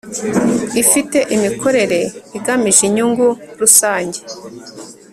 ifite imikorere igamije inyungu rusange